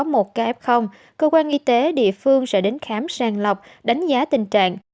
có một kf cơ quan y tế địa phương sẽ đến khám sang lọc đánh giá tình trạng